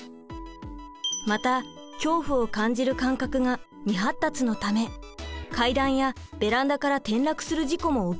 また恐怖を感じる感覚が未発達のため階段やベランダから転落する事故も起きやすいのです。